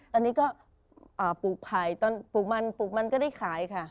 ตอนนี้ก็ปลูกไผ่ปลูกมันก็ได้ขายค่ะ